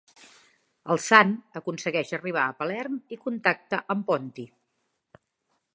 El Sant aconsegueix arribar a Palerm i Contacta amb Ponti.